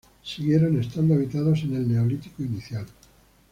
Siguieron estando habitados en el Neolítico inicial.